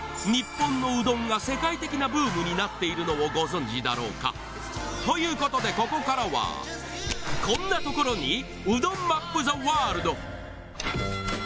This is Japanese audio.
日本のうどんが世界的なブームになっているのをご存じだろうか？ということでここからはこんなところに？